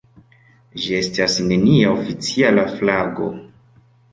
Ĝi estas nenia oficiala flago.